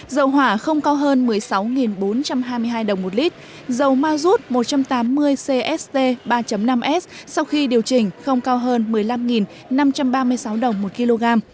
dầu hỏa không cao hơn một mươi sáu bốn trăm hai mươi hai đồng một lít dầu mazut một trăm tám mươi cst ba năm s sau khi điều chỉnh không cao hơn một mươi năm năm trăm ba mươi sáu đồng một kg